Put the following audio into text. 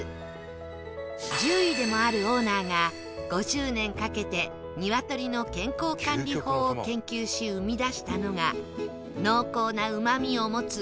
獣医でもあるオーナーが５０年かけて鶏の健康管理法を研究し生み出したのが濃厚なうまみを持つ究極の卵